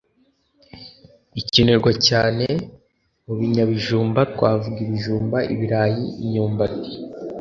ikenerwa cyane. mu binyabijumba twavuga ibijumba, ibirayi, imyumbati,